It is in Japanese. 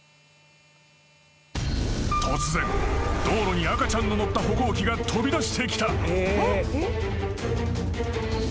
［突然道路に赤ちゃんの乗った歩行器が飛び出してきた］